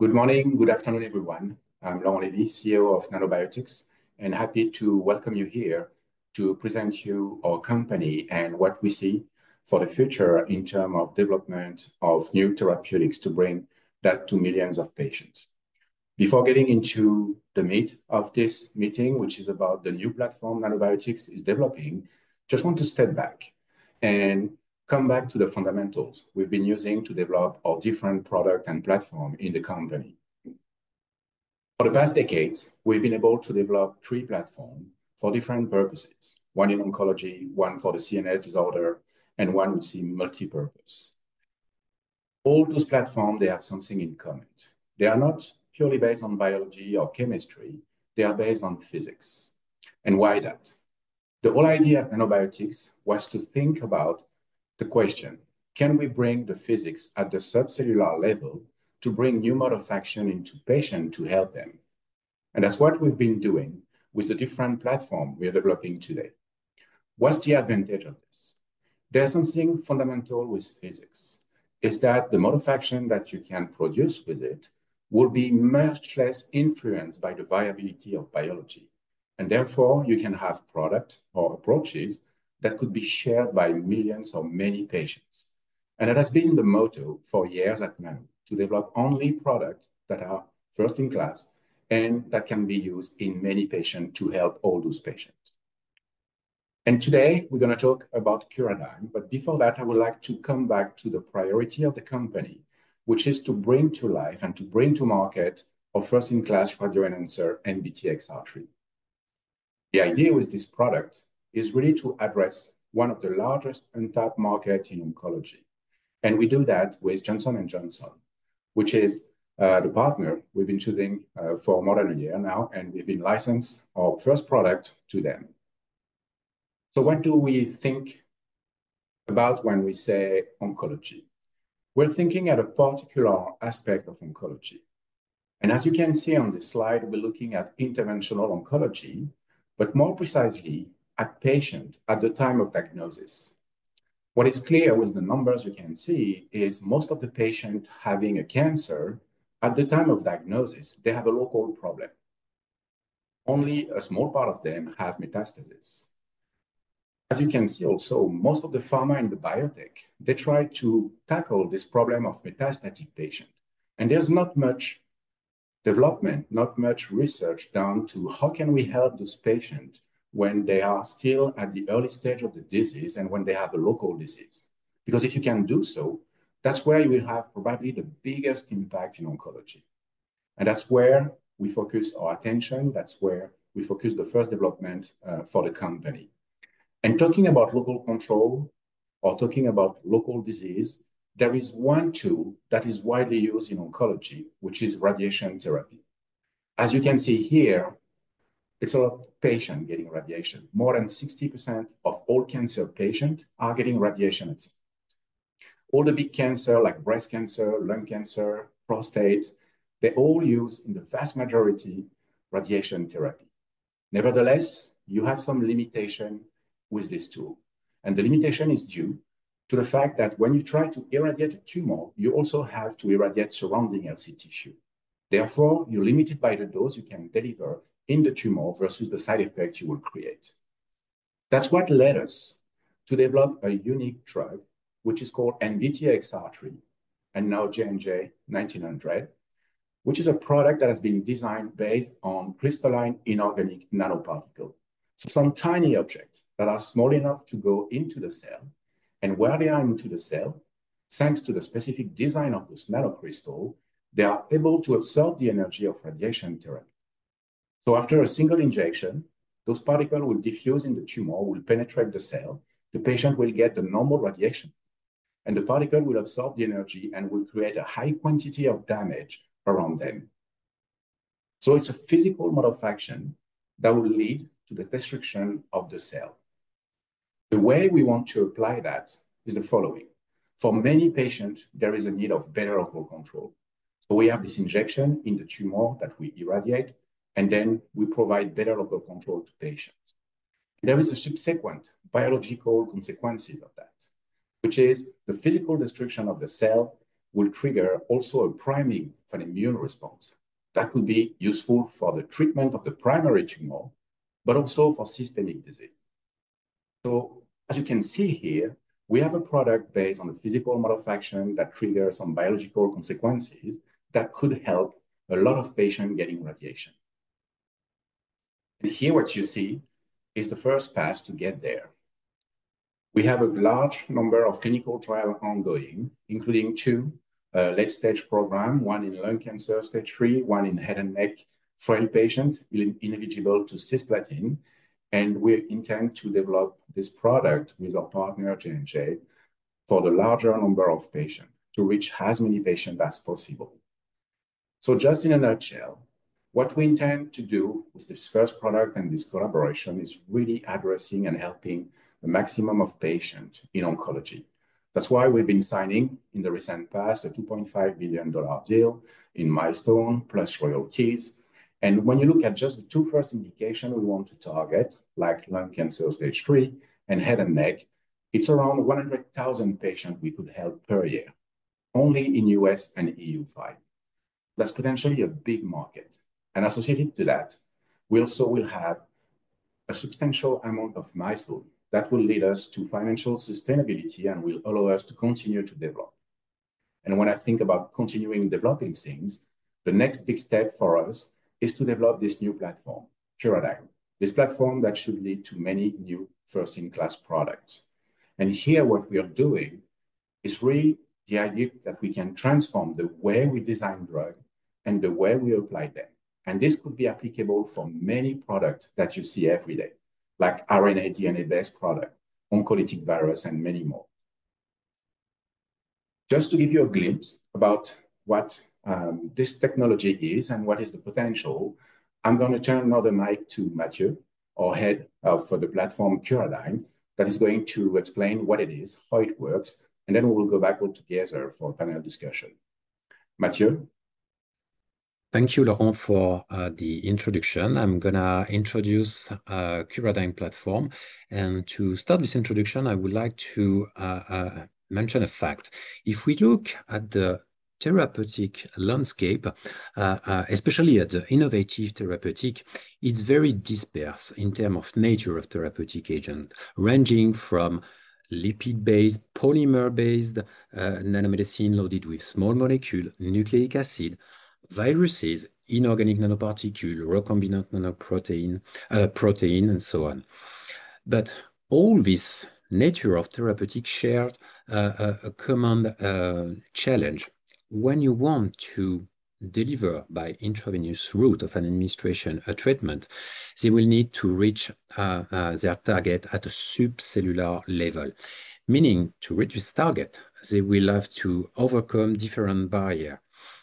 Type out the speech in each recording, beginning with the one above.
Good morning, good afternoon, everyone. I'm Laurent Lévy, CEO of Nanobiotix, and happy to welcome you here to present to you our company and what we see for the future in terms of development of new therapeutics to bring that to millions of patients. Before getting into the meat of this meeting, which is about the new platform Nanobiotix is developing, I just want to step back and come back to the fundamentals we've been using to develop our different product and platform in the company. For the past decades, we've been able to develop three platforms for different purposes: one in oncology, one for the CNS disorder, and one with multipurpose. All those platforms, they have something in common. They are not purely based on biology or chemistry; they are based on physics. And why that? The whole idea of Nanobiotix was to think about the question: Can we bring the physics at the subcellular level to bring new mode of action into patients to help them? And that's what we've been doing with the different platforms we are developing today. What's the advantage of this? There's something fundamental with physics: the mode of action that you can produce with it will be much less influenced by the viability of biology. And therefore, you can have products or approaches that could be shared by millions of many patients. And that has been the motto for years at Nanobiotix: to develop only products that are first-in-class and that can be used in many patients to help all those patients. And today, we're going to talk about Curadigm. But before that, I would like to come back to the priority of the company, which is to bring to life and to bring to market our first-in-class radioenhancer NBTXR3. The idea with this product is really to address one of the largest untapped markets in oncology. And we do that with Johnson & Johnson, which is the partner we've been choosing for more than a year now, and we've been licensing our first product to them. So what do we think about when we say oncology? We're thinking at a particular aspect of oncology. And as you can see on this slide, we're looking at interventional oncology, but more precisely at patients at the time of diagnosis. What is clear with the numbers you can see is most of the patients having a cancer at the time of diagnosis, they have a local problem. Only a small part of them have metastasis. As you can see also, most of the pharma in the biotech, they try to tackle this problem of metastatic patients. And there's not much development, not much research done to how can we help those patients when they are still at the early stage of the disease and when they have a local disease. Because if you can do so, that's where you will have probably the biggest impact in oncology. And that's where we focus our attention. That's where we focus the first development for the company. And talking about local control or talking about local disease, there is one tool that is widely used in oncology, which is radiation therapy. As you can see here, it's all patients getting radiation. More than 60% of all cancer patients are getting radiation at some point. All the big cancers, like breast cancer, lung cancer, prostate, they all use in the vast majority radiation therapy. Nevertheless, you have some limitation with this tool. And the limitation is due to the fact that when you try to irradiate a tumor, you also have to irradiate surrounding healthy tissue. Therefore, you're limited by the dose you can deliver in the tumor versus the side effects you will create. That's what led us to develop a unique drug, which is called NBTXR3, and now JNJ-1900, which is a product that has been designed based on crystalline inorganic nanoparticles. So some tiny objects that are small enough to go into the cell. And while they are into the cell, thanks to the specific design of this nanocrystal, they are able to absorb the energy of radiation therapy. So after a single injection, those particles will diffuse in the tumor, will penetrate the cell, the patient will get the normal radiation, and the particle will absorb the energy and will create a high quantity of damage around them. So it's a physical mode of action that will lead to the destruction of the cell. The way we want to apply that is the following. For many patients, there is a need of better local control. So we have this injection in the tumor that we irradiate, and then we provide better local control to patients. And there are subsequent biological consequences of that, which is the physical destruction of the cell will trigger also a priming for an immune response that could be useful for the treatment of the primary tumor, but also for systemic disease. So as you can see here, we have a product based on the physical mode of action that triggers some biological consequences that could help a lot of patients getting radiation. And here, what you see is the first pass to get there. We have a large number of clinical trials ongoing, including two late-stage programs, one in lung cancer stage III, one in head and neck frail patients ineligible to cisplatin. And we intend to develop this product with our partner, J&J, for the larger number of patients to reach as many patients as possible. So just in a nutshell, what we intend to do with this first product and this collaboration is really addressing and helping the maximum of patients in oncology. That's why we've been signing in the recent past a $2.5 billion deal in milestone plus royalties. When you look at just the two first indications we want to target, like lung cancer stage III and head and neck, it's around 100,000 patients we could help per year, only in the U.S. and EU. That's potentially a big market. Associated to that, we also will have a substantial amount of milestones that will lead us to financial sustainability and will allow us to continue to develop. When I think about continuing developing things, the next big step for us is to develop this new platform, Curadigm, this platform that should lead to many new first-in-class products. Here, what we are doing is really the idea that we can transform the way we design drugs and the way we apply them. This could be applicable for many products that you see every day, like RNA DNA-based products, oncolytic virus, and many more. Just to give you a glimpse about what this technology is and what is the potential. I'm going to turn now the mic to Matthieu, our head for the platform Curadigm, that is going to explain what it is, how it works, and then we'll go back all together for a panel discussion. Matthieu. Thank you, Laurent, for the introduction. I'm going to introduce the Curadigm platform. And to start this introduction, I would like to mention a fact. If we look at the therapeutic landscape, especially at the innovative therapeutic, it's very dispersed in terms of the nature of therapeutic agents, ranging from lipid-based, polymer-based nanomedicine loaded with small molecules, nucleic acids, viruses, inorganic nanoparticles, recombinant nanoprotein, protein, and so on. But all this nature of therapeutics shares a common challenge. When you want to deliver by intravenous route of administration a treatment, they will need to reach their target at a subcellular level. Meaning, to reach this target, they will have to overcome different barriers.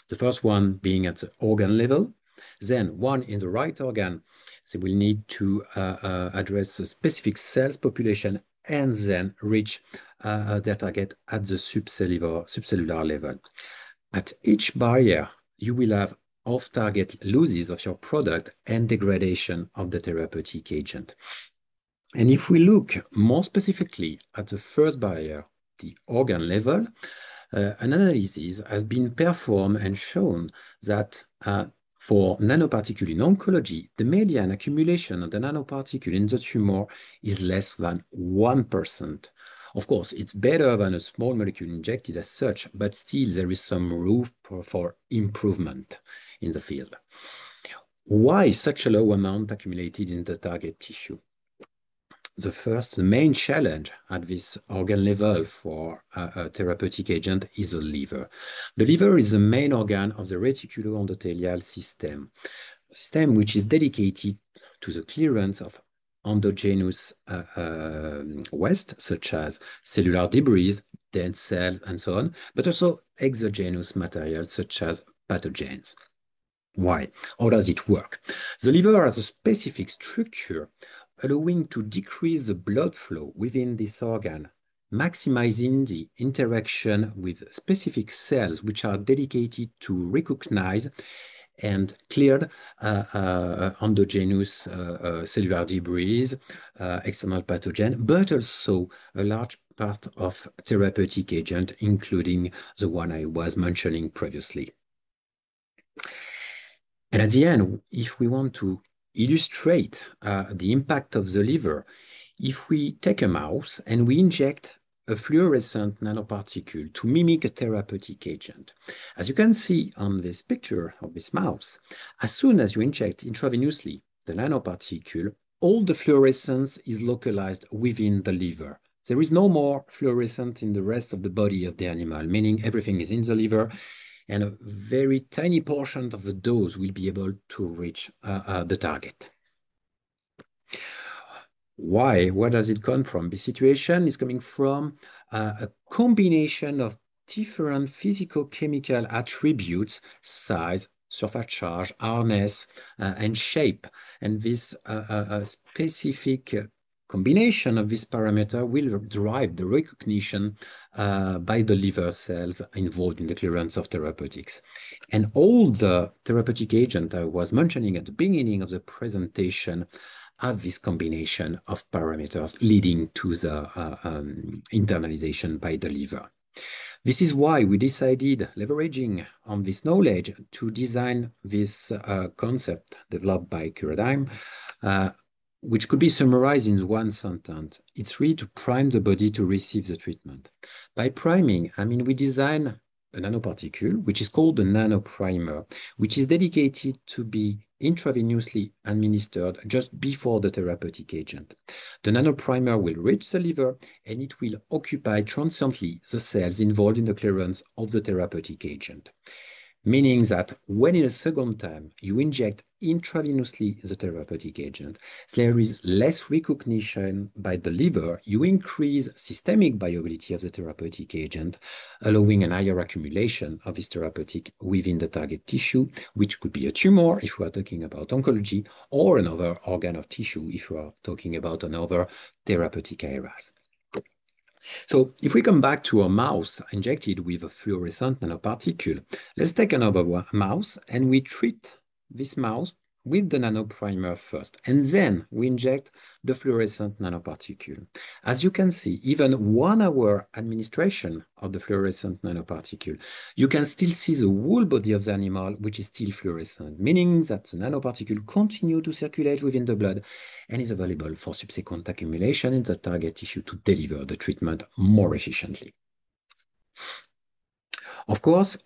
The first one being at the organ level, then, once in the right organ, they will need to address a specific cell population, and then reach their target at the subcellular level. At each barrier, you will have off-target losses of your product and degradation of the therapeutic agent. And if we look more specifically at the first barrier, the organ level, an analysis has been performed and shown that for nanoparticles in oncology, the median accumulation of the nanoparticle in the tumor is less than 1%. Of course, it's better than a small molecule injected as such, but still, there is some room for improvement in the field. Why such a low amount accumulated in the target tissue? The first, the main challenge at this organ level for a therapeutic agent is the liver. The liver is the main organ of the reticuloendothelial system, a system which is dedicated to the clearance of endogenous waste, such as cellular debris, dead cells, and so on, but also exogenous materials, such as pathogens. Why? How does it work? The liver has a specific structure allowing to decrease the blood flow within this organ, maximizing the interaction with specific cells which are dedicated to recognize and clear endogenous cellular debris, external pathogens, but also a large part of therapeutic agents, including the one I was mentioning previously, and at the end, if we want to illustrate the impact of the liver, if we take a mouse and we inject a fluorescent nanoparticle to mimic a therapeutic agent, as you can see on this picture of this mouse, as soon as you inject intravenously the nanoparticle, all the fluorescence is localized within the liver. There is no more fluorescence in the rest of the body of the animal, meaning everything is in the liver, and a very tiny portion of the dose will be able to reach the target. Why? Where does it come from? This situation is coming from a combination of different physicochemical attributes: size, surface charge, hardness, and shape, and this specific combination of these parameters will drive the recognition by the liver cells involved in the clearance of therapeutics, and all the therapeutic agents I was mentioning at the beginning of the presentation have this combination of parameters leading to the internalization by the liver. This is why we decided, leveraging this knowledge, to design this concept developed by Curadigm, which could be summarized in one sentence. It's really to prime the body to receive the treatment. By priming, I mean, we design a nanoparticle which is called the Nanoprimer, which is dedicated to be intravenously administered just before the therapeutic agent. The Nanoprimer will reach the liver, and it will occupy transiently the cells involved in the clearance of the therapeutic agent. Meaning that when in a second time you inject intravenously the therapeutic agent, there is less recognition by the liver. You increase systemic viability of the therapeutic agent, allowing a higher accumulation of this therapeutic within the target tissue, which could be a tumor if we are talking about oncology, or another organ or tissue if we are talking about another therapeutic area. So if we come back to a mouse injected with a fluorescent nanoparticle, let's take another mouse, and we treat this mouse with the Nanoprimer first, and then we inject the fluorescent nanoparticle. As you can see, even one hour administration of the fluorescent nanoparticle, you can still see the whole body of the animal, which is still fluorescent, meaning that the nanoparticle continues to circulate within the blood and is available for subsequent accumulation in the target tissue to deliver the treatment more efficiently. Of course,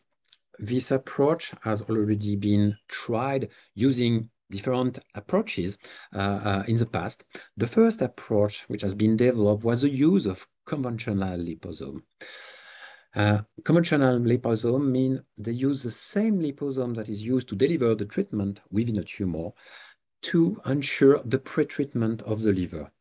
this approach has already been tried using different approaches in the past. The first approach which has been developed was the use of conventional liposome. Conventional liposome means they use the same liposome that is used to deliver the treatment within a tumor to ensure the pretreatment of the liver.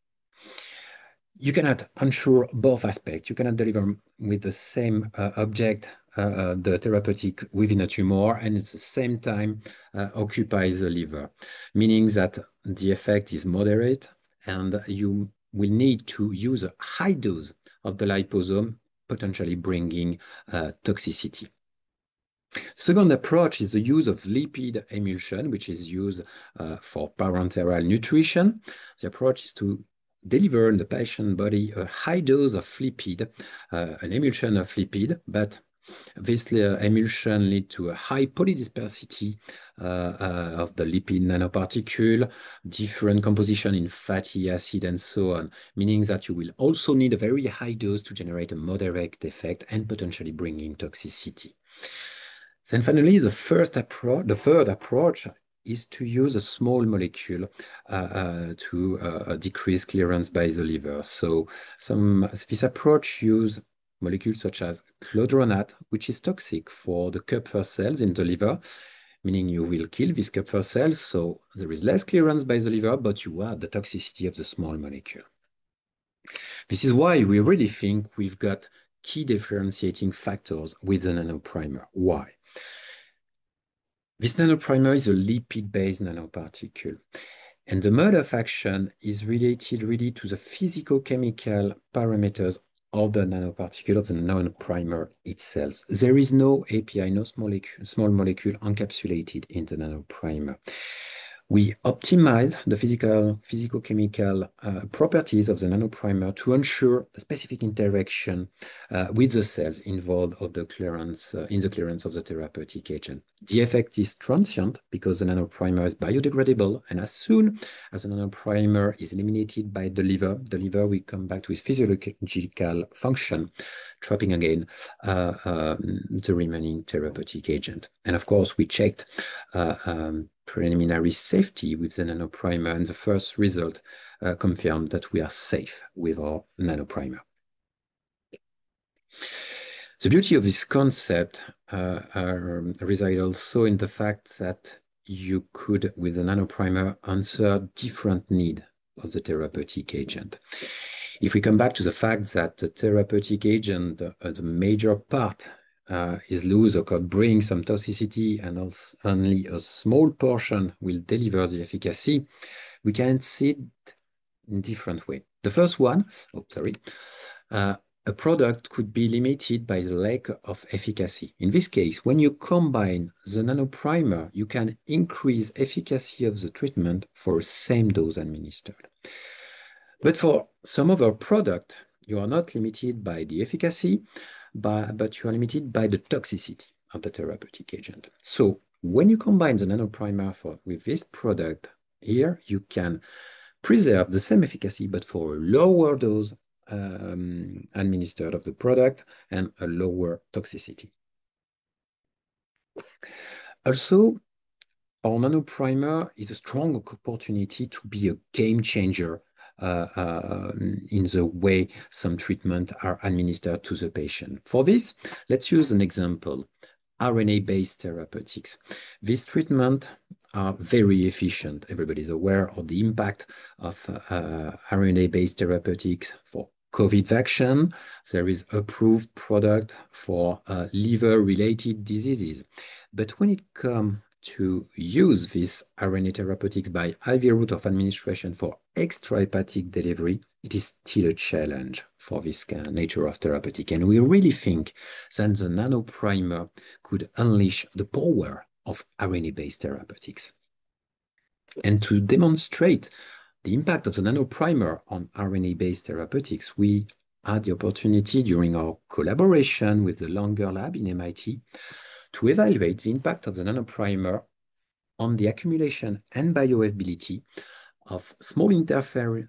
You cannot ensure both aspects. You cannot deliver with the same object the therapeutic within a tumor, and at the same time occupy the liver, meaning that the effect is moderate, and you will need to use a high dose of the liposome, potentially bringing toxicity. The second approach is the use of lipid emulsion, which is used for parenteral nutrition. The approach is to deliver in the patient body a high dose of lipid, an emulsion of lipid, but this emulsion leads to a high polydispersity of the lipid nanoparticle, different composition in fatty acid, and so on, meaning that you will also need a very high dose to generate a moderate effect and potentially bring in toxicity. Then finally, the third approach is to use a small molecule to decrease clearance by the liver. So this approach uses molecules such as clodronate, which is toxic for the Kupffer cells in the liver, meaning you will kill these Kupffer cells, so there is less clearance by the liver, but you have the toxicity of the small molecule. This is why we really think we've got key differentiating factors with the Nanoprimer. Why? This Nanoprimer is a lipid-based nanoparticle, and the mode of action is related really to the physicochemical parameters of the nanoparticle of the Nanoprimer itself. There is no API, no small molecule encapsulated in the Nanoprimer. We optimize the physicochemical properties of the Nanoprimer to ensure the specific interaction with the cells involved in the clearance of the therapeutic agent. The effect is transient because the Nanoprimer is biodegradable, and as soon as the Nanoprimer is eliminated by the liver, the liver will come back to its physiological function, trapping again the remaining therapeutic agent. And of course, we checked preliminary safety with the Nanoprimer, and the first result confirmed that we are safe with our Nanoprimer. The beauty of this concept resides also in the fact that you could, with the Nanoprimer, answer different needs of the therapeutic agent. If we come back to the fact that the therapeutic agent, the major part, is loose or could bring some toxicity, and only a small portion will deliver the efficacy, we can see it in a different way. A product could be limited by the lack of efficacy. In this case, when you combine the Nanoprimer, you can increase the efficacy of the treatment for the same dose administered. But for some of our products, you are not limited by the efficacy, but you are limited by the toxicity of the therapeutic agent. So when you combine the Nanoprimer with this product here, you can preserve the same efficacy, but for a lower dose administered of the product and a lower toxicity. Also, our Nanoprimer is a strong opportunity to be a game changer in the way some treatments are administered to the patient. For this, let's use an example: RNA-based therapeutics. These treatments are very efficient. Everybody's aware of the impact of RNA-based therapeutics for COVID vaccines. There is an approved product for liver-related diseases. But when it comes to using these RNA therapeutics by IV route of administration for extrahepatic delivery, it is still a challenge for this nature of therapeutics. And we really think that the Nanoprimer could unleash the power of RNA-based therapeutics. And to demonstrate the impact of the Nanoprimer on RNA-based therapeutics, we had the opportunity during our collaboration with the Langer Lab in MIT to evaluate the impact of the Nanoprimer on the accumulation and bioavailability of small interfering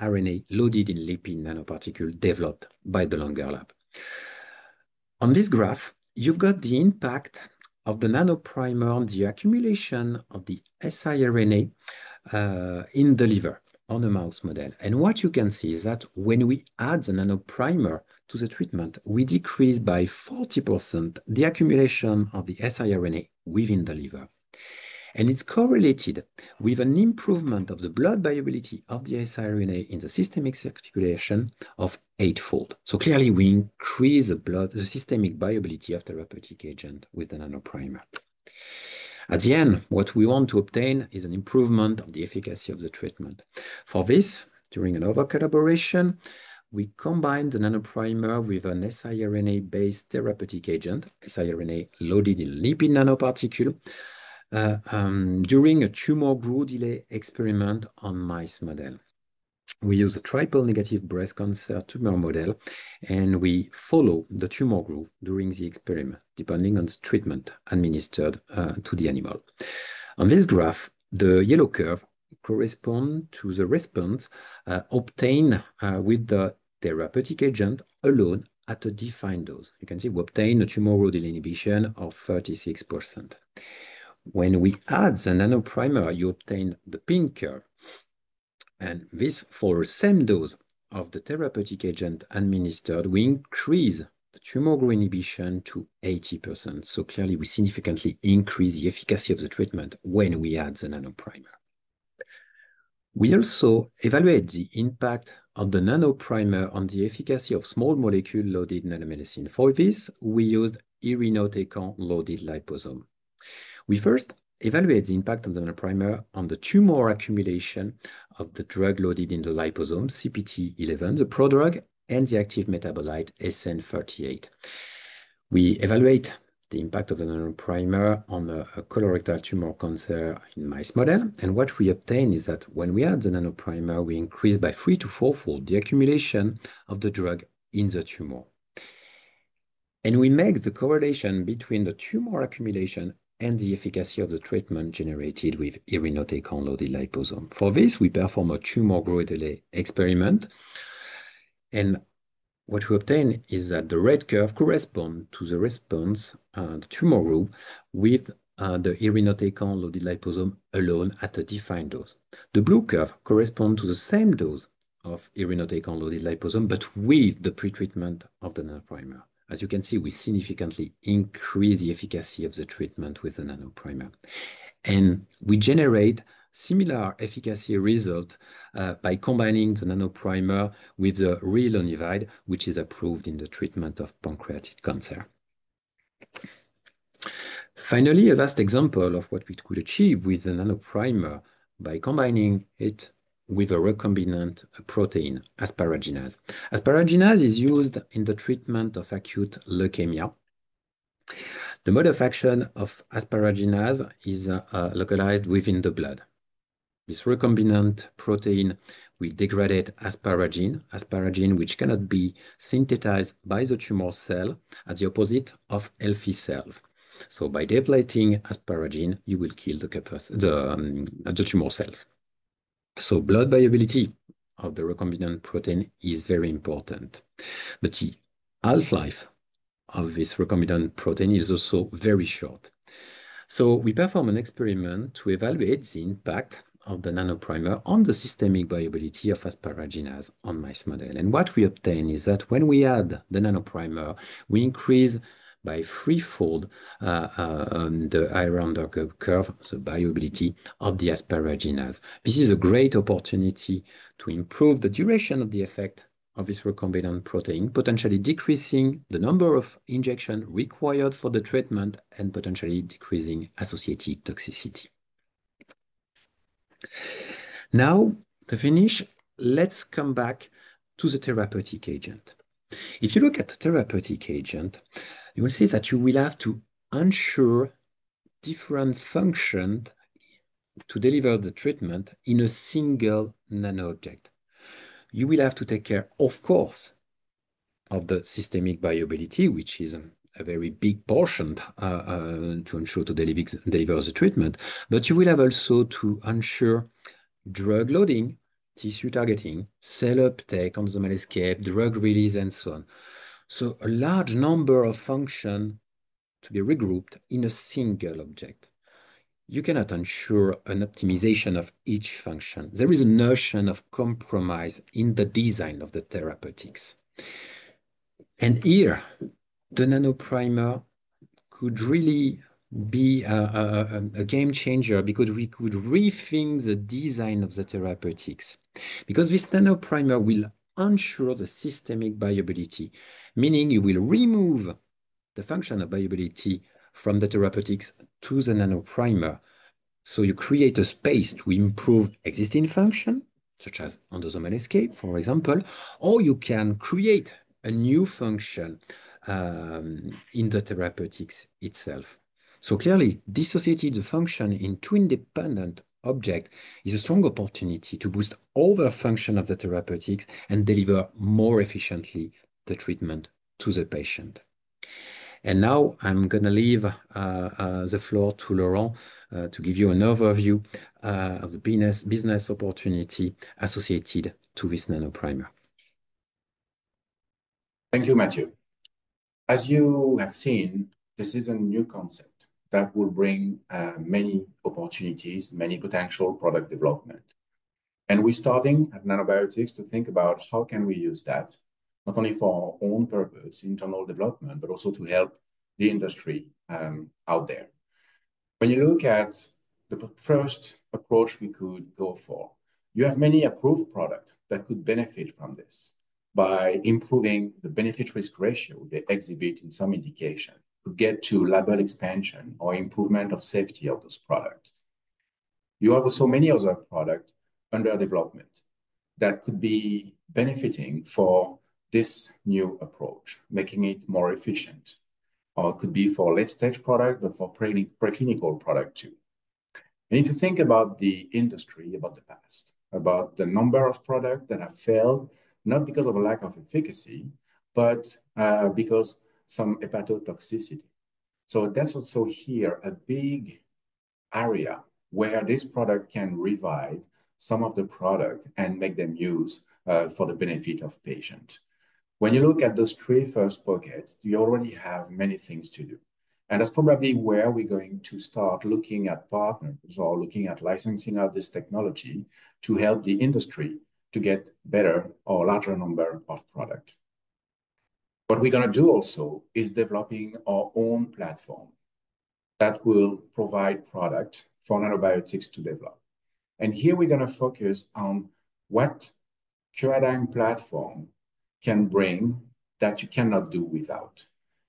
RNA loaded in lipid nanoparticles developed by the Langer Lab. On this graph, you've got the impact of the Nanoprimer on the accumulation of the siRNA in the liver on a mouse model. What you can see is that when we add the Nanoprimer to the treatment, we decrease by 40% the accumulation of the siRNA within the liver. It's correlated with an improvement of the bioavailability of the siRNA in the systemic circulation of eightfold. Clearly, we increase the systemic bioavailability of the therapeutic agent with the Nanoprimer. At the end, what we want to obtain is an improvement of the efficacy of the treatment. For this, during another collaboration, we combined the Nanoprimer with an siRNA-based therapeutic agent, siRNA loaded in lipid nanoparticles, during a tumor growth delay experiment on a mouse model. We use a triple-negative breast cancer tumor model, and we follow the tumor growth during the experiment, depending on the treatment administered to the animal. On this graph, the yellow curve corresponds to the response obtained with the therapeutic agent alone at a defined dose. You can see we obtained a tumor growth delay inhibition of 36%. When we add the Nanoprimer, you obtain the pink curve. And this, for the same dose of the therapeutic agent administered, we increase the tumor growth inhibition to 80%. So clearly, we significantly increase the efficacy of the treatment when we add the Nanoprimer. We also evaluate the impact of the Nanoprimer on the efficacy of small molecules loaded in the medicine. For this, we used irinotecan-loaded liposome. We first evaluate the impact of the Nanoprimer on the tumor accumulation of the drug loaded in the liposome, CPT-11, the pro-drug, and the active metabolite SN-38. We evaluate the impact of the Nanoprimer on a colorectal tumor cancer in a mice model. What we obtain is that when we add the Nanoprimer, we increase by three- to fourfold the accumulation of the drug in the tumor. We make the correlation between the tumor accumulation and the efficacy of the treatment generated with irinotecan-loaded liposome. For this, we perform a tumor growth delay experiment. What we obtain is that the red curve corresponds to the response of the tumor group with the irinotecan-loaded liposome alone at a defined dose. The blue curve corresponds to the same dose of irinotecan-loaded liposome, but with the pretreatment of the Nanoprimer. As you can see, we significantly increase the efficacy of the treatment with the Nanoprimer. We generate similar efficacy results by combining the Nanoprimer with Onivyde, which is approved in the treatment of pancreatic cancer. Finally, a last example of what we could achieve with the Nanoprimer by combining it with a recombinant protein, asparaginase. asparaginase is used in the treatment of acute leukemia. The mode of action of asparaginase is localized within the blood. This recombinant protein will degrade asparagine, asparagine which cannot be synthesized by the tumor cell as opposed to healthy cells, so by depleting asparagine, you will kill the tumor cells, so blood bioavailability of the recombinant protein is very important, but the half-life of this recombinant protein is also very short, so we perform an experiment to evaluate the impact of the Nanoprimer on the systemic bioavailability of asparaginase in a mouse model, and what we obtain is that when we add the Nanoprimer, we increase by threefold the AUC curve, so the bioavailability of the asparaginase. This is a great opportunity to improve the duration of the effect of this recombinant protein, potentially decreasing the number of injections required for the treatment and potentially decreasing associated toxicity. Now, to finish, let's come back to the therapeutic agent. If you look at the therapeutic agent, you will see that you will have to ensure different functions to deliver the treatment in a single nano object. You will have to take care, of course, of the systemic bioavailability, which is a very big portion to ensure to deliver the treatment. But you will have also to ensure drug loading, tissue targeting, cell uptake on the molecular scale, drug release, and so on. So a large number of functions to be regrouped in a single object. You cannot ensure an optimization of each function. There is a notion of compromise in the design of the therapeutics. Here, the Nanoprimer could really be a game changer because we could rethink the design of the therapeutics. Because this Nanoprimer will ensure the systemic bioavailability, meaning you will remove the function of bioavailability from the therapeutics to the Nanoprimer. So you create a space to improve existing function, such as on the molecular scale, for example, or you can create a new function in the therapeutics itself. So clearly, dissociating the function into independent objects is a strong opportunity to boost overall function of the therapeutics and deliver more efficiently the treatment to the patient. And now I'm going to leave the floor to Laurent to give you an overview of the business opportunity associated with this Nanoprimer. Thank you, Matthieu. As you have seen, this is a new concept that will bring many opportunities, many potential product developments. We're starting at Nanobiotix to think about how can we use that not only for our own purpose, internal development, but also to help the industry out there. When you look at the first approach we could go for, you have many approved products that could benefit from this by improving the benefit-risk ratio they exhibit in some indication, could get to label expansion or improvement of safety of those products. You have also many other products under development that could be benefiting for this new approach, making it more efficient. Or it could be for late-stage products, but for preclinical products too. If you think about the industry, about the past, about the number of products that have failed, not because of a lack of efficacy, but because of some hepatotoxicity. So that's also here a big area where this product can revive some of the products and make them use for the benefit of patients. When you look at those three first buckets, you already have many things to do. And that's probably where we're going to start looking at partners or looking at licensing out this technology to help the industry to get better or a larger number of products. What we're going to do also is developing our own platform that will provide products for Nanobiotix to develop. And here we're going to focus on what Curadigm platform can bring that you cannot do without.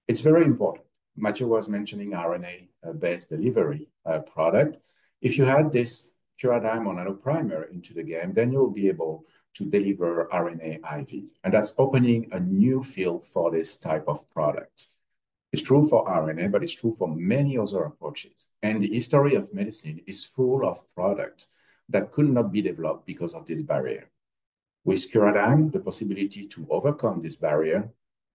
It's very important. Matthieu was mentioning RNA-based delivery product. If you add this Curadigm or Nanoprimer into the game, then you'll be able to deliver RNA IV. And that's opening a new field for this type of product. It's true for RNA, but it's true for many other approaches. The history of medicine is full of products that could not be developed because of this barrier. With Curadigm, the possibility to overcome this barrier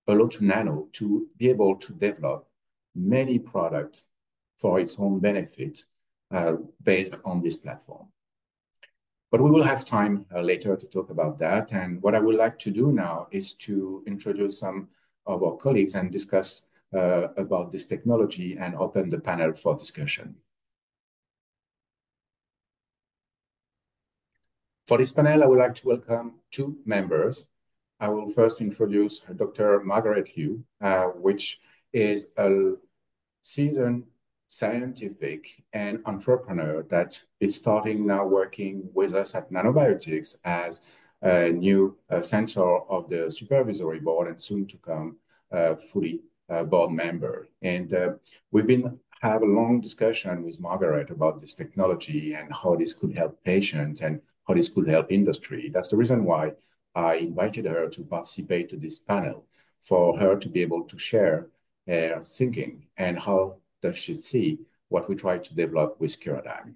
allowed Nanobiotix to be able to develop many products for its own benefit based on this platform. But we will have time later to talk about that. What I would like to do now is to introduce some of our colleagues and discuss about this technology and open the panel for discussion. For this panel, I would like to welcome two members. I will first introduce Dr. Margaret Liu, who is a seasoned scientist and entrepreneur that is starting now working with us at Nanobiotix as a new member of the supervisory board and soon to become a full board member. We've been having a long discussion with Margaret about this technology and how this could help patients and how this could help industry. That's the reason why I invited her to participate in this panel, for her to be able to share her thinking and how does she see what we try to develop with Curadigm.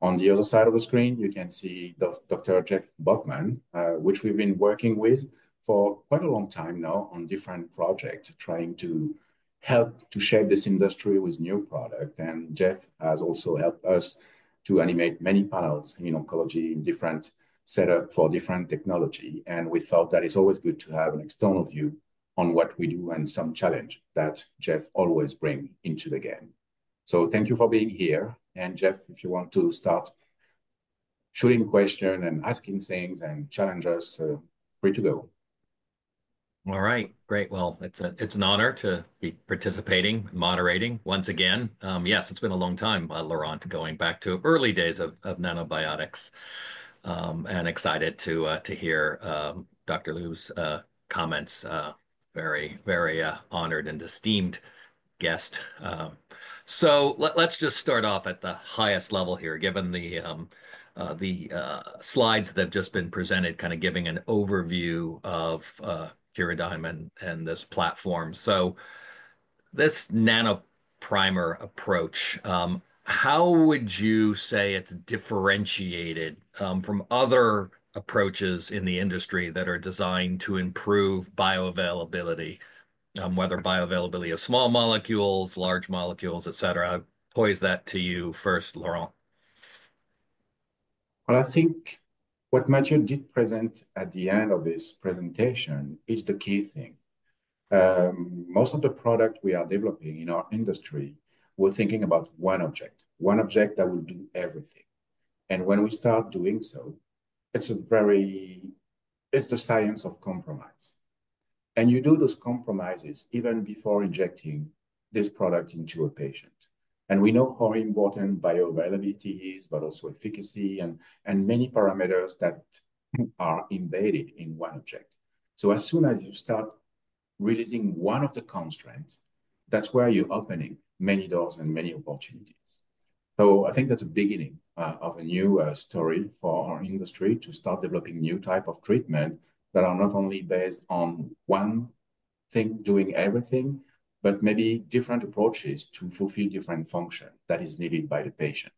On the other side of the screen, you can see Dr. Jeff Bockman, which we've been working with for quite a long time now on different projects trying to help to shape this industry with new products. Jeff has also helped us to animate many panels in oncology in different setups for different technologies. We thought that it's always good to have an external view on what we do and some challenge that Jeff always brings into the game. Thank you for being here. And Jeff, if you want to start shooting questions and asking things and challenge us, free to go. All right. Great. Well, it's an honor to be participating and moderating once again. Yes, it's been a long time, Laurent, going back to early days of Nanobiotix. And excited to hear Dr. Liu's comments. Very, very honored and esteemed guest. So let's just start off at the highest level here, given the slides that have just been presented, kind of giving an overview of Curadigm and this platform. So this Nanoprimer approach, how would you say it's differentiated from other approaches in the industry that are designed to improve bioavailability, whether bioavailability of small molecules, large molecules, etc.? I'll pose that to you first, Laurent. Well, I think what Matthieu did present at the end of this presentation is the key thing. Most of the products we are developing in our industry, we're thinking about one object, one object that will do everything, and when we start doing so, it's the science of compromise, and you do those compromises even before injecting this product into a patient, and we know how important bioavailability is, but also efficacy and many parameters that are embedded in one object, so as soon as you start releasing one of the constraints, that's where you're opening many doors and many opportunities, so I think that's the beginning of a new story for our industry to start developing new types of treatments that are not only based on one thing doing everything, but maybe different approaches to fulfill different functions that are needed by the patient.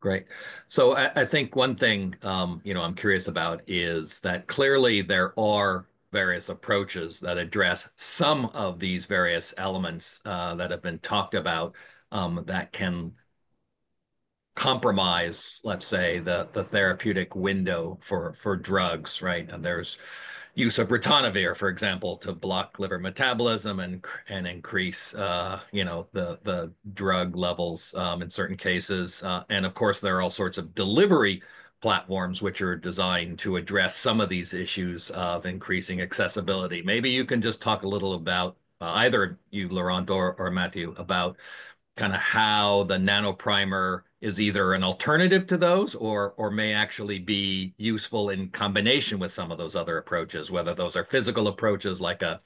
Great. So I think one thing I'm curious about is that clearly there are various approaches that address some of these various elements that have been talked about that can compromise, let's say, the therapeutic window for drugs, right? And there's use of ritonavir, for example, to block liver metabolism and increase the drug levels in certain cases. And of course, there are all sorts of delivery platforms which are designed to address some of these issues of increasing accessibility. Maybe you can just talk a little about either you, Laurent, or Matthieu, about kind of how the Nanoprimer is either an alternative to those or may actually be useful in combination with some of those other approaches, whether those are physical approaches like a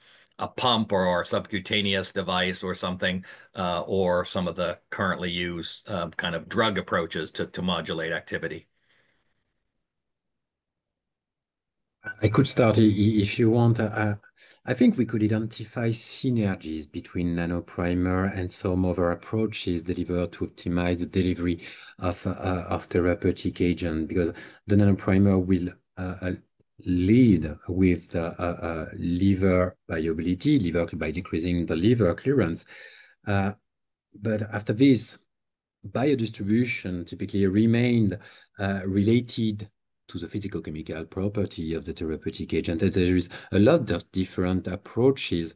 pump or a subcutaneous device or something, or some of the currently used kind of drug approaches to modulate activity. I could start if you want. I think we could identify synergies between Nanoprimer and some other approaches delivered to optimize the delivery of therapeutic agents because the Nanoprimer will improve liver bioavailability by decreasing the liver clearance. But after this, biodistribution typically remains related to the physicochemical property of the therapeutic agent. There is a lot of different approaches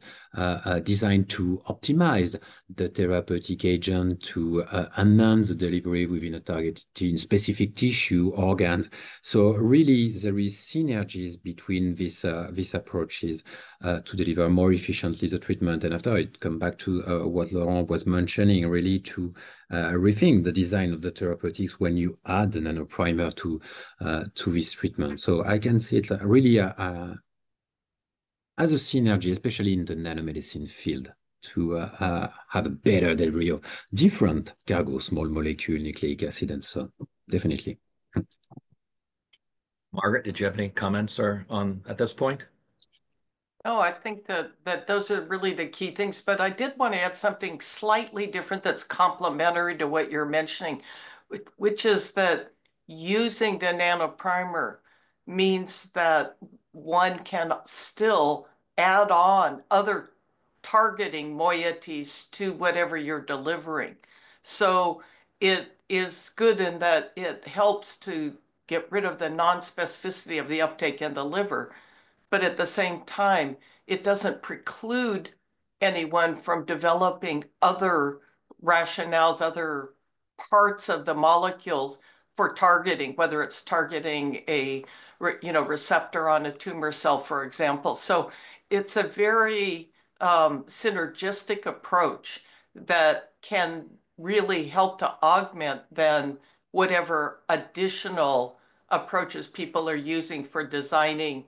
designed to optimize the therapeutic agent to enhance the delivery within a targeted specific tissue organs. So really, there are synergies between these approaches to deliver more efficiently the treatment. And after, I come back to what Laurent was mentioning, really to rethink the design of the therapeutics when you add the Nanoprimer to these treatments. So I can see it really as a synergy, especially in the nanomedicine field, to have a better delivery of different cargo small molecules, nucleic acid, and so on. Definitely. Margaret, did you have any comments, sir, at this point? No, I think that those are really the key things. But I did want to add something slightly different that's complementary to what you're mentioning, which is that using the Nanoprimer means that one can still add on other targeting moieties to whatever you're delivering. So it is good in that it helps to get rid of the non-specificity of the uptake in the liver. But at the same time, it doesn't preclude anyone from developing other rationales, other parts of the molecules for targeting, whether it's targeting a receptor on a tumor cell, for example. So it's a very synergistic approach that can really help to augment then whatever additional approaches people are using for designing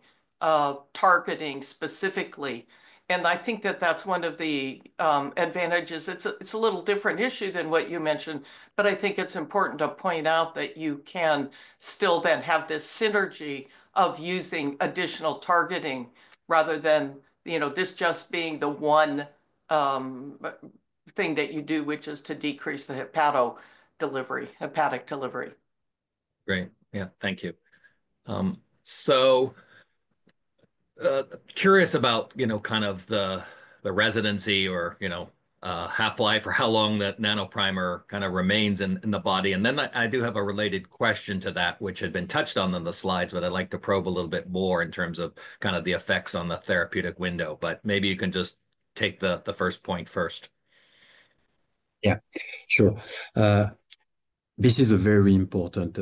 targeting specifically. And I think that that's one of the advantages. It's a little different issue than what you mentioned, but I think it's important to point out that you can still then have this synergy of using additional targeting rather than this just being the one thing that you do, which is to decrease the hepatic delivery. Great. Yeah, thank you. So curious about kind of the residency or half-life or how long that Nanoprimer kind of remains in the body. And then I do have a related question to that, which had been touched on in the slides, but I'd like to probe a little bit more in terms of kind of the effects on the therapeutic window. But maybe you can just take the first point first. Yeah, sure. This is a very important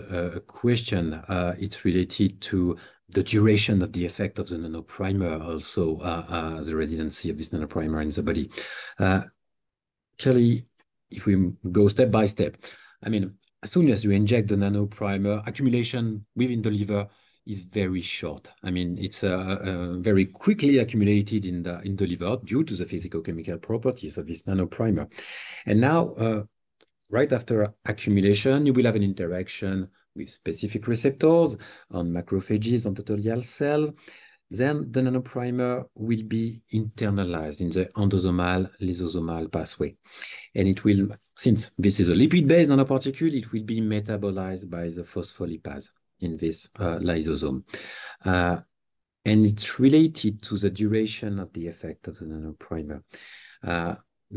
question. It's related to the duration of the effect of the Nanoprimer, also the residency of this Nanoprimer in the body. Clearly, if we go step by step, I mean, as soon as you inject the Nanoprimer, accumulation within the liver is very short. I mean, it's very quickly accumulated in the liver due to the physicochemical properties of this Nanoprimer, and now, right after accumulation, you will have an interaction with specific receptors on macrophages and Kupffer cells, then the Nanoprimer will be internalized in the endosomal-lysosomal pathway, and since this is a lipid-based nanoparticle, it will be metabolized by the phospholipids in this lysosome, and it's related to the duration of the effect of the Nanoprimer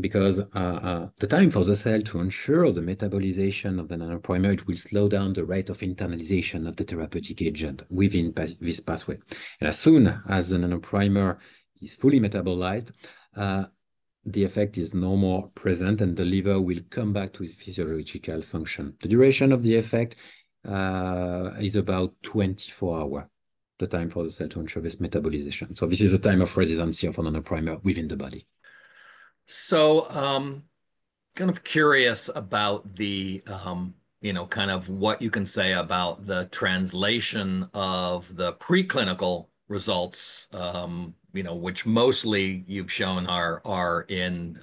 because the time for the cell to ensure the metabolization of the Nanoprimer, it will slow down the rate of internalization of the therapeutic agent within this pathway, and as soon as the Nanoprimer is fully metabolized, the effect is no more present and the liver will come back to its physiological function. The duration of the effect is about 24 hours, the time for the cell to ensure this metabolization. So this is the time of residency of a Nanoprimer within the body. So kind of curious about the kind of what you can say about the translation of the preclinical results, which mostly you've shown are in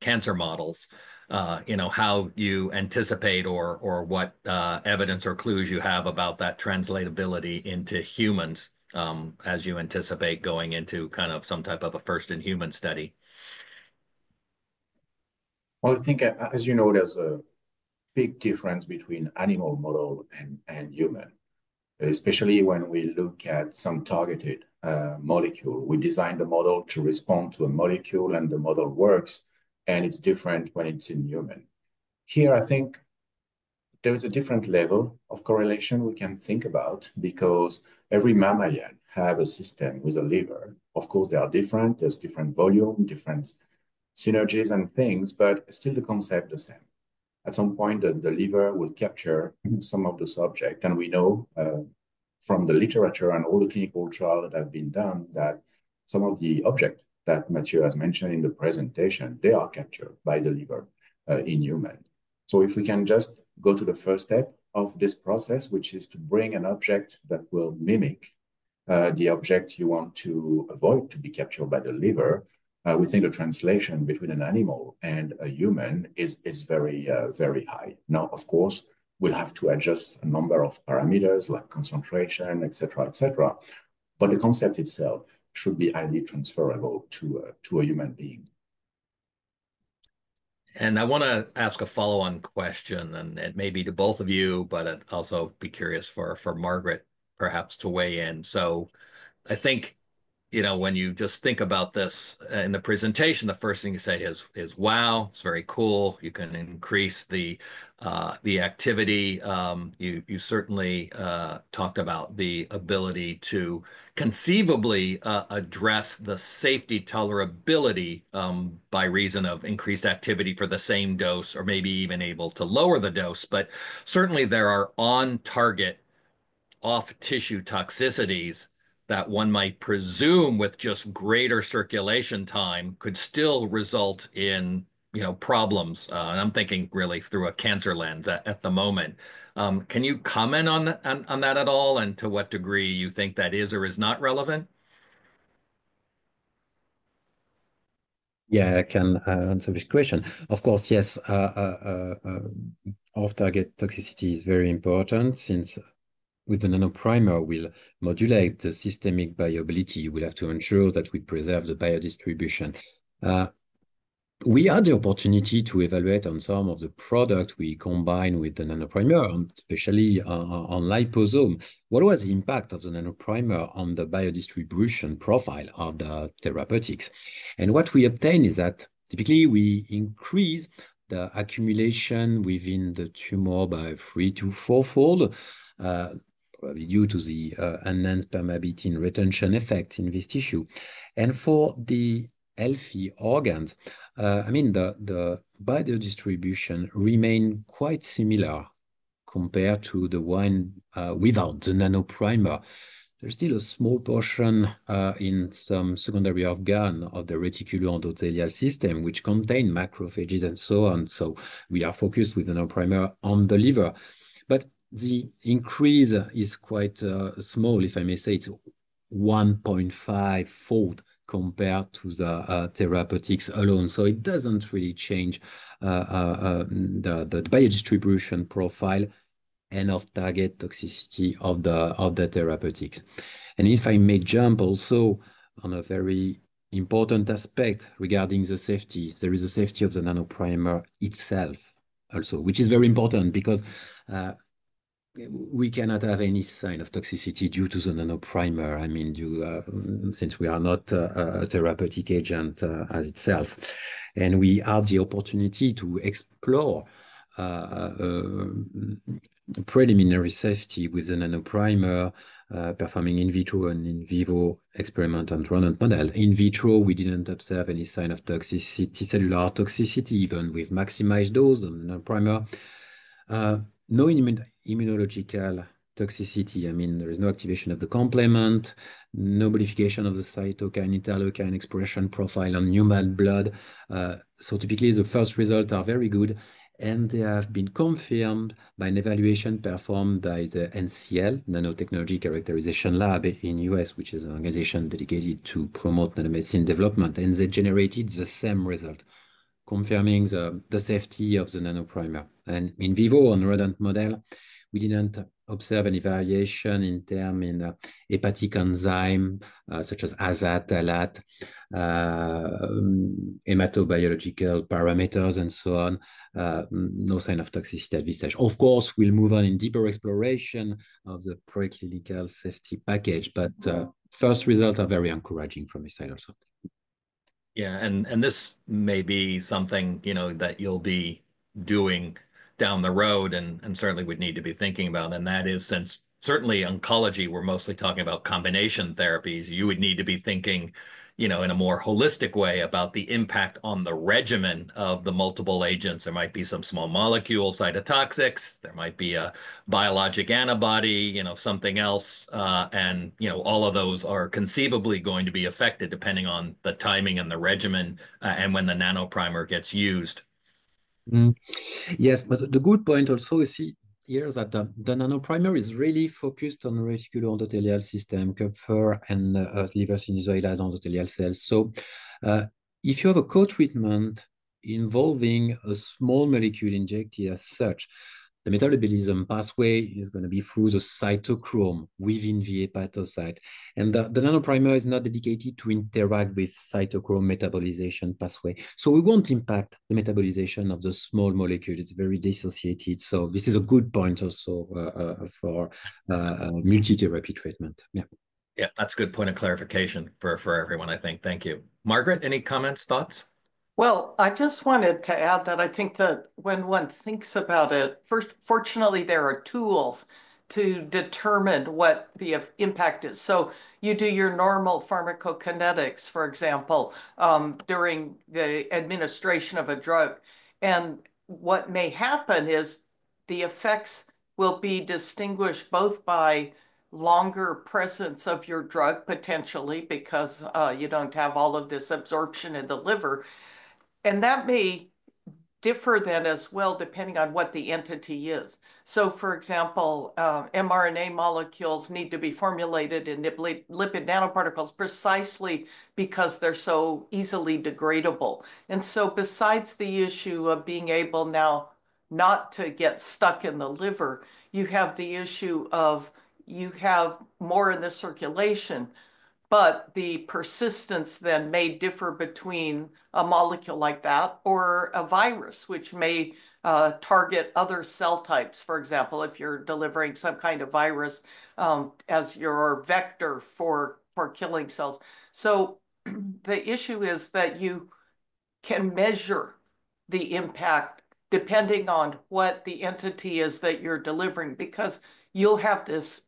cancer models, how you anticipate or what evidence or clues you have about that translatability into humans as you anticipate going into kind of some type of a first-in-human study. Well, I think, as you know, there's a big difference between animal model and human, especially when we look at some targeted molecule. We design the model to respond to a molecule and the model works, and it's different when it's in human. Here, I think there is a different level of correlation we can think about because every mammal has a system with a liver. Of course, they are different. There's different volume, different species and things, but still the concept is the same. At some point, the liver will capture some of the substance. And we know from the literature and all the clinical trials that have been done that some of the objects that Matthieu has mentioned in the presentation, they are captured by the liver in humans. So if we can just go to the first step of this process, which is to bring an object that will mimic the object you want to avoid to be captured by the liver, we think the translation between an animal and a human is very, very high. Now, of course, we'll have to adjust a number of parameters like concentration, etc., etc. But the concept itself should be highly transferable to a human being. And I want to ask a follow-on question, and it may be to both of you, but I'd also be curious for Margaret perhaps to weigh in. So I think when you just think about this in the presentation, the first thing you say is, "Wow, it's very cool. You can increase the activity." You certainly talked about the ability to conceivably address the safety tolerability by reason of increased activity for the same dose or maybe even able to lower the dose. But certainly, there are on-target, off-tissue toxicities that one might presume with just greater circulation time could still result in problems. And I'm thinking really through a cancer lens at the moment. Can you comment on that at all and to what degree you think that is or is not relevant? Yeah, I can answer this question. Of course, yes. Off-target toxicity is very important since with the Nanoprimer, we'll modulate the systemic bioavailability. We'll have to ensure that we preserve the biodistribution. We had the opportunity to evaluate on some of the products we combine with the Nanoprimer, especially on liposome. What was the impact of the Nanoprimer on the biodistribution profile of the therapeutics? And what we obtain is that typically, we increase the accumulation within the tumor by three- to fourfold, probably due to the enhanced permeability and retention effect in this tissue. For the healthy organs, I mean, the biodistribution remained quite similar compared to the one without the Nanoprimer. There's still a small portion in some secondary organ of the reticuloendothelial system, which contains macrophages and so on. So we are focused with the Nanoprimer on the liver. But the increase is quite small, if I may say. It's 1.5-fold compared to the therapeutics alone. So it doesn't really change the biodistribution profile and off-target toxicity of the therapeutics. And if I may jump also on a very important aspect regarding the safety, there is the safety of the Nanoprimer itself also, which is very important because we cannot have any sign of toxicity due to the Nanoprimer, I mean, since we are not a therapeutic agent in itself. And we had the opportunity to explore preliminary safety with the Nanoprimer by performing in vitro and in vivo experiments and in rodent models. In vitro, we didn't observe any sign of cellular toxicity even with maximized dose of the Nanoprimer. No immunological toxicity. I mean, there is no activation of the complement, no modification of the cytokine-interleukin expression profile on human blood. So typically, the first results are very good. And they have been confirmed by an evaluation performed by the NCL, Nanotechnology Characterization Lab in the U.S., which is an organization dedicated to promoting nanomedicine development. And they generated the same result, confirming the safety of the Nanoprimer. And in vivo, on the rodent model, we didn't observe any variation in terms of hepatic enzymes such as ASAT, ALAT, hematobiological parameters, and so on. No sign of toxicity at this stage. Of course, we'll move on in deeper exploration of the preclinical safety package, but first results are very encouraging from this side also. Yeah, and this may be something that you'll be doing down the road and certainly would need to be thinking about. And that is, since certainly oncology, we're mostly talking about combination therapies. You would need to be thinking in a more holistic way about the impact on the regimen of the multiple agents. There might be some small molecules, cytotoxics. There might be a biologic antibody, something else. And all of those are conceivably going to be affected depending on the timing and the regimen and when the Nanoprimer gets used. Yes, but the good point also is here that the Nanoprimer is really focused on the reticuloendothelial system, Kupffer, and liver sinusoidal endothelial cells. So if you have a co-treatment involving a small molecule injected as such, the metabolism pathway is going to be through the cytochrome within the hepatocyte. And the Nanoprimer is not dedicated to interact with cytochrome metabolization pathway. So it won't impact the metabolization of the small molecule. It's very dissociated. This is a good point also for multitherapy treatment. Yeah. Yeah, that's a good point of clarification for everyone, I think. Thank you. Margaret, any comments, thoughts? I just wanted to add that I think that when one thinks about it, fortunately, there are tools to determine what the impact is. You do your normal pharmacokinetics, for example, during the administration of a drug. What may happen is the effects will be distinguished both by longer presence of your drug potentially because you don't have all of this absorption in the liver. That may differ then as well depending on what the entity is. For example, mRNA molecules need to be formulated in lipid nanoparticles precisely because they're so easily degradable. And so besides the issue of being able now not to get stuck in the liver, you have the issue of you have more in the circulation, but the persistence then may differ between a molecule like that or a virus, which may target other cell types, for example, if you're delivering some kind of virus as your vector for killing cells. So the issue is that you can measure the impact depending on what the entity is that you're delivering because you'll have this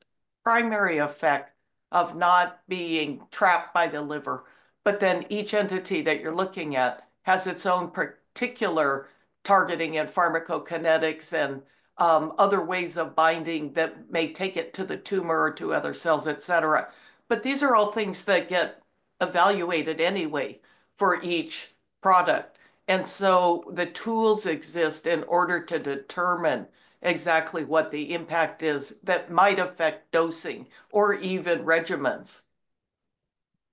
primary effect of not being trapped by the liver, but then each entity that you're looking at has its own particular targeting and pharmacokinetics and other ways of binding that may take it to the tumor or to other cells, etc. But these are all things that get evaluated anyway for each product. And so the tools exist in order to determine exactly what the impact is that might affect dosing or even regimens.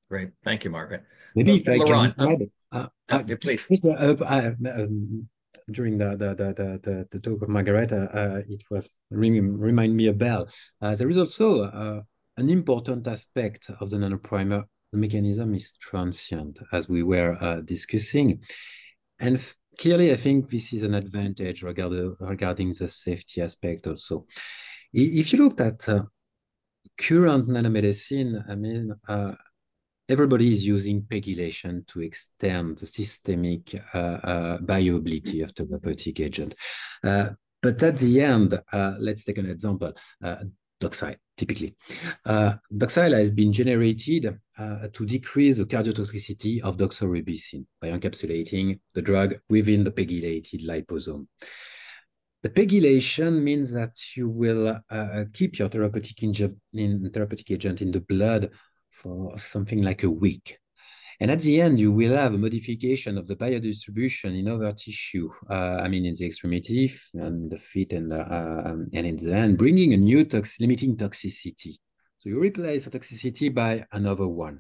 Great. Thank you, Margaret. Maybe if I can. Please. During Margaret's talk, it was ringing a bell. There is also an important aspect of the Nanoprimer mechanism is transient, as we were discussing. And clearly, I think this is an advantage regarding the safety aspect also. If you look at current nanomedicine, I mean, everybody is using pegylation to extend the systemic viability of the therapeutic agent. But at the end, let's take an example, Doxil typically. Doxil has been generated to decrease the cardiotoxicity of doxorubicin by encapsulating the drug within the pegylated liposome. The pegylation means that you will keep your therapeutic agent in the blood for something like a week. And at the end, you will have a modification of the biodistribution in other tissue, I mean, in the extremities and the feet and in the end, bringing a new limiting toxicity. So you replace the toxicity by another one.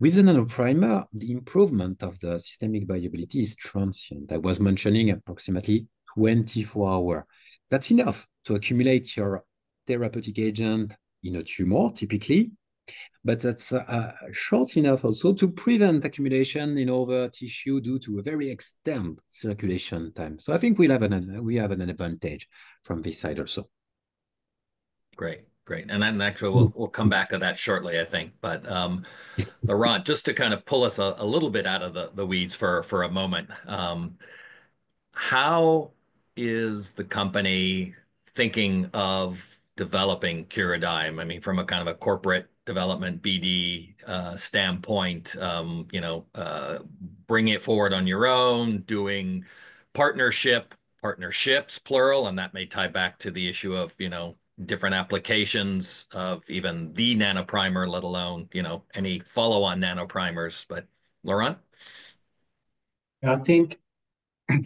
With the Nanoprimer, the improvement of the systemic bioavailability is transient. I was mentioning approximately 24 hours. That's enough to accumulate your therapeutic agent in a tumor, typically. But that's short enough also to prevent accumulation in other tissue due to a very extended circulation time. So I think we have an advantage from this side also. Great. Great. And actually, we'll come back to that shortly, I think. But, Laurent, just to kind of pull us a little bit out of the weeds for a moment, how is the company thinking of developing Curadigm? I mean, from a kind of a corporate development BD standpoint, bring it forward on your own, doing partnerships, plural, and that may tie back to the issue of different applications of even the Nanoprimer, let alone any follow-on nanoprimers. But, Laurent? I think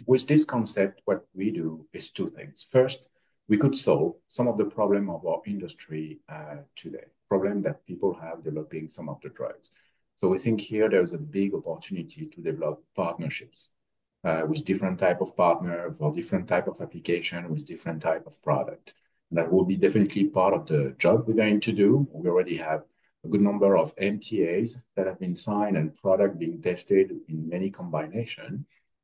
with this concept, what we do is two things. First, we could solve some of the problems of our industry today, problems that people have developing some of the drugs. So I think here there's a big opportunity to develop partnerships with different types of partners for different types of applications with different types of products. That will be definitely part of the job we're going to do. We already have a good number of MTAs that have been signed and products being tested in many combinations.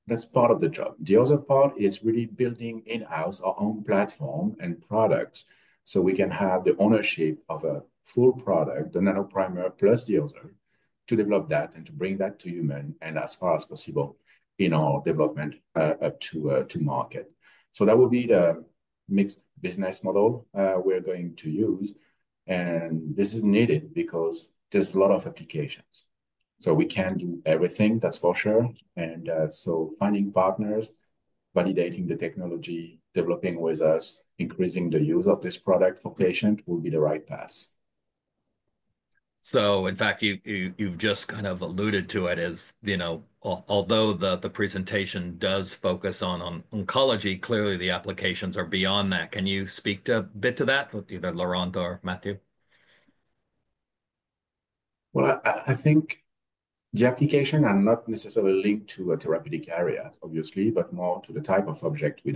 That's part of the job. The other part is really building in-house our own platform and products so we can have the ownership of a full product, the Nanoprimer plus the other, to develop that and to bring that to humans as far as possible in our development up to market. So that will be the mixed business model we're going to use. And this is needed because there's a lot of applications. So we can do everything, that's for sure. And so finding partners, validating the technology, developing with us, increasing the use of this product for patients will be the right path. So, in fact, you've just kind of alluded to it as, although the presentation does focus on oncology, clearly, the applications are beyond that. Can you speak a bit to that, either Laurent or Matthieu? I think the application is not necessarily linked to a therapeutic area, obviously, but more to the type of object we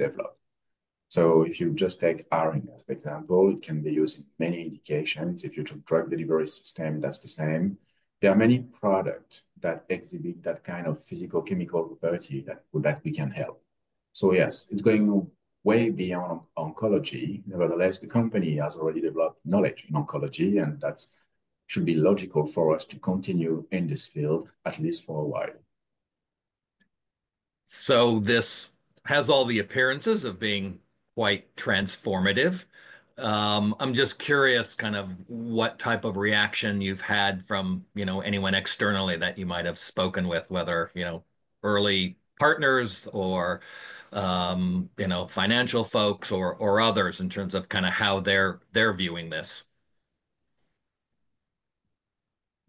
develop. If you just take RNA, for example, it can be used in many indications. If you took drug delivery systems, that's the same. There are many products that exhibit that kind of physicochemical property that we can help. Yes, it's going way beyond oncology. Nevertheless, the company has already developed knowledge in oncology, and that should be logical for us to continue in this field, at least for a while. This has all the appearances of being quite transformative. I'm just curious kind of what type of reaction you've had from anyone externally that you might have spoken with, whether early partners or financial folks or others in terms of kind of how they're viewing this.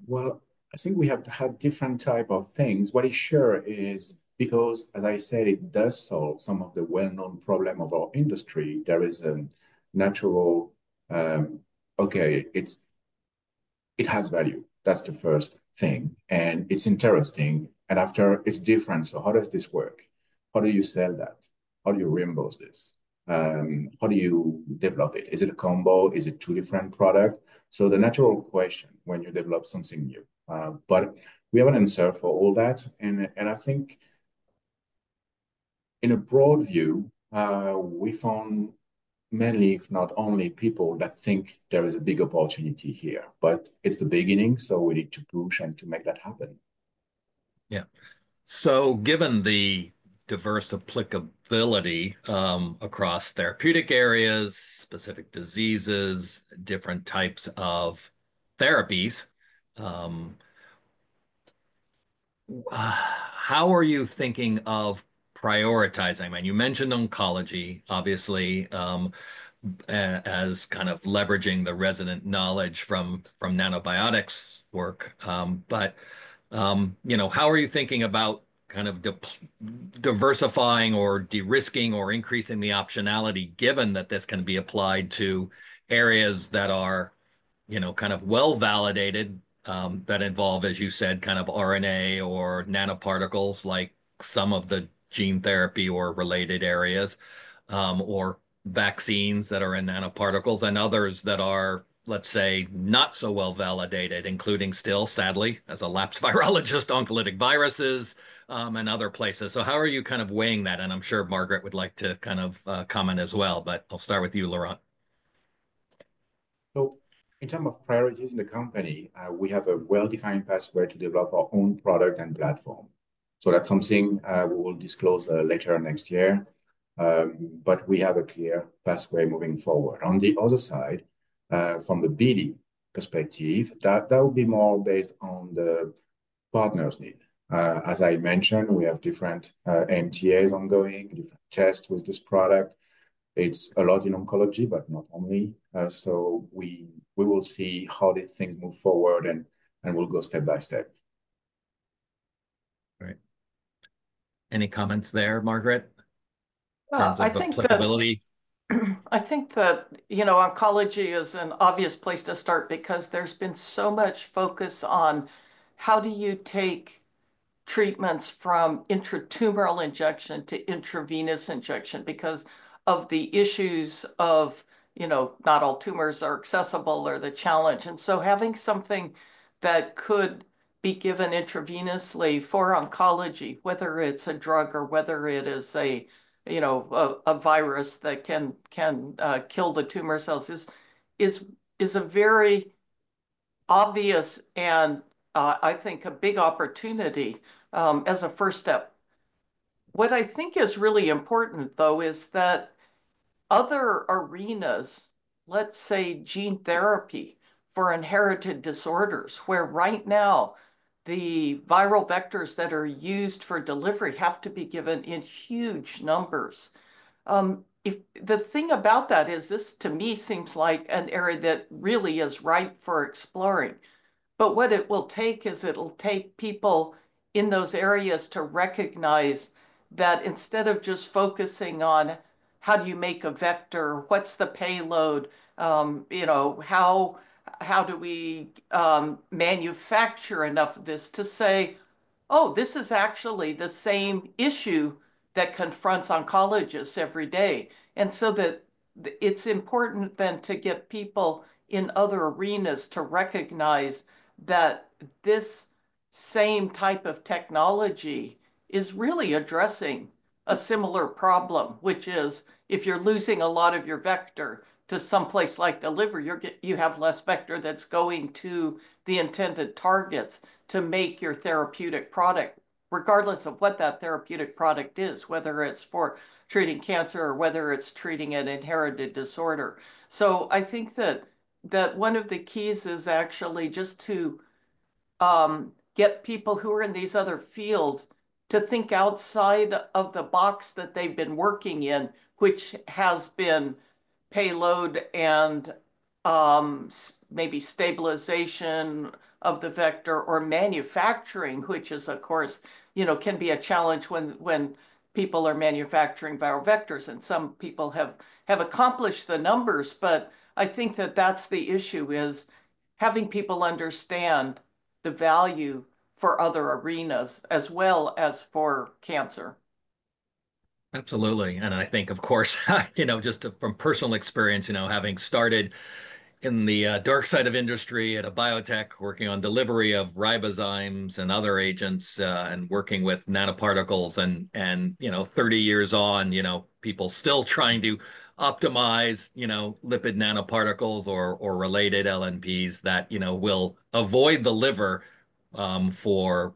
Well, I think we have had different types of things. What is sure is, because, as I said, it does solve some of the well-known problems of our industry. There is a natural, okay, it has value. That's the first thing. And it's interesting. And after, it's different. So how does this work? How do you sell that? How do you reimburse this? How do you develop it? Is it a combo? Is it two different products? So the natural question when you develop something new. But we have an answer for all that. And I think in a broad view, we found many if not only people that think there is a big opportunity here, but it's the beginning, so we need to push and to make that happen. Yeah. So given the diverse applicability across therapeutic areas, specific diseases, different types of therapies, how are you thinking of prioritizing? I mean, you mentioned oncology, obviously, as kind of leveraging the resident knowledge from Nanobiotix work. But how are you thinking about kind of diversifying or de-risking or increasing the optionality given that this can be applied to areas that are kind of well-validated that involve, as you said, kind of RNA or nanoparticles like some of the gene therapy or related areas or vaccines that are in nanoparticles and others that are, let's say, not so well-validated, including still, sadly, as a lapsed virologist, oncolytic viruses and other places. So how are you kind of weighing that? And I'm sure Margaret would like to kind of comment as well, but I'll start with you, Laurent. So in terms of priorities in the company, we have a well-defined pathway to develop our own product and platform. So that's something we will disclose later next year. But we have a clear pathway moving forward. On the other side, from the BD perspective, that will be more based on the partners' need. As I mentioned, we have different MTAs ongoing, different tests with this product. It's a lot in oncology, but not only. So we will see how things move forward and we'll go step by step. Great. Any comments there, Margaret? In terms of flexibility? I think that oncology is an obvious place to start because there's been so much focus on how do you take treatments from intratumoral injection to intravenous injection because of the issues of not all tumors are accessible or the challenge. Having something that could be given intravenously for oncology, whether it's a drug or whether it is a virus that can kill the tumor cells, is a very obvious and, I think, a big opportunity as a first step. What I think is really important, though, is that other arenas, let's say gene therapy for inherited disorders, where right now the viral vectors that are used for delivery have to be given in huge numbers. The thing about that is this, to me, seems like an area that really is ripe for exploring. But what it will take is it'll take people in those areas to recognize that instead of just focusing on how do you make a vector, what's the payload, how do we manufacture enough of this to say, "Oh, this is actually the same issue that confronts oncologists every day." And so it's important then to get people in other arenas to recognize that this same type of technology is really addressing a similar problem, which is if you're losing a lot of your vector to someplace like the liver, you have less vector that's going to the intended targets to make your therapeutic product, regardless of what that therapeutic product is, whether it's for treating cancer or whether it's treating an inherited disorder. I think that one of the keys is actually just to get people who are in these other fields to think outside of the box that they've been working in, which has been payload and maybe stabilization of the vector or manufacturing, which, of course, can be a challenge when people are manufacturing viral vectors. Some people have accomplished the numbers, but I think that that's the issue: having people understand the value for other arenas as well as for cancer. Absolutely. I think, of course, just from personal experience, having started in the dark side of industry at a biotech working on delivery of ribozymes and other agents and working with nanoparticles and 30 years on, people still trying to optimize lipid nanoparticles or related LNPs that will avoid the liver for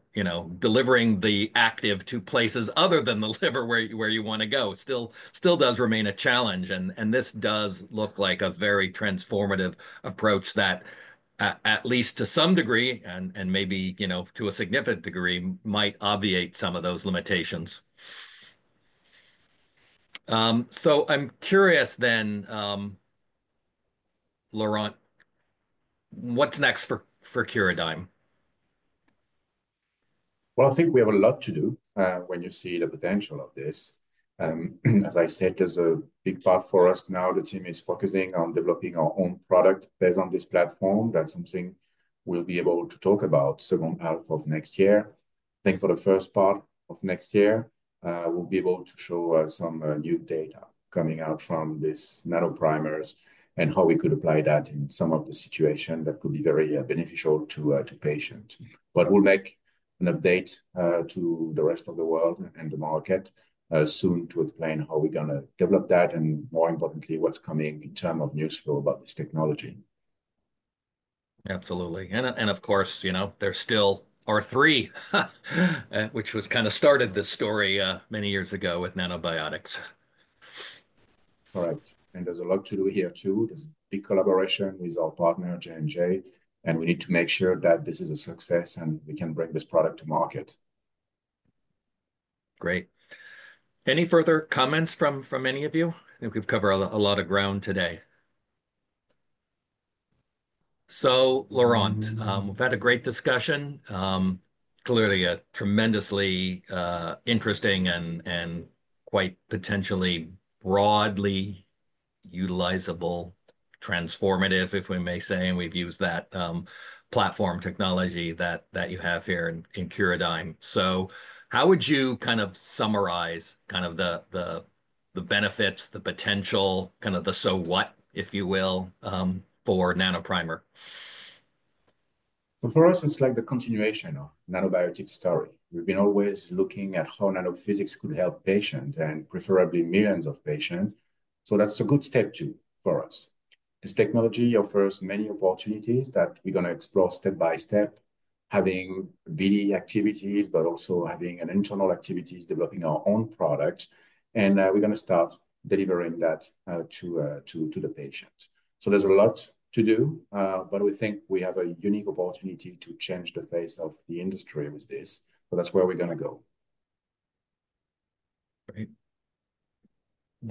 delivering the active to places other than the liver where you want to go. Still does remain a challenge. This does look like a very transformative approach that, at least to some degree, and maybe to a significant degree, might obviate some of those limitations. I'm curious then, Laurent, what's next for Curadigm? I think we have a lot to do when you see the potential of this. As I said, there's a big part for us now. The team is focusing on developing our own product based on this platform. That's something we'll be able to talk about the second half of next year. I think for the first part of next year, we'll be able to show some new data coming out from these nanoprimers and how we could apply that in some of the situations that could be very beneficial to patients. But we'll make an update to the rest of the world and the market soon to explain how we're going to develop that and, more importantly, what's coming in terms of news flow about this technology. Absolutely. And of course, NBTXR3, which kind of started this story many years ago with Nanobiotix. Correct. And there's a lot to do here too. There's a big collaboration with our partner, J&J. And we need to make sure that this is a success and we can bring this product to market. Great. Any further comments from any of you? I think we've covered a lot of ground today. So, Laurent, we've had a great discussion. Clearly, a tremendously interesting and quite potentially broadly utilizable, transformative, if we may say, and we've used that platform technology that you have here in Curadigm. So how would you kind of summarize kind of the benefits, the potential, kind of the so what, if you will, for Nanoprimer? For us, it's like the continuation of the Nanobiotix story. We've been always looking at how nanophysics could help patients and preferably millions of patients. So that's a good step two for us. This technology offers many opportunities that we're going to explore step by step, having BD activities, but also having internal activities, developing our own products. And we're going to start delivering that to the patients. So there's a lot to do, but we think we have a unique opportunity to change the face of the industry with this. So that's where we're going to go. Great.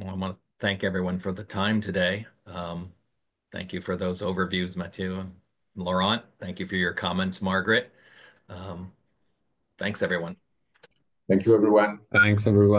I want to thank everyone for the time today. Thank you for those overviews, Matthieu and Laurent. Thank you for your comments, Margaret. Thanks, everyone. Thank you, everyone. Thanks, everyone.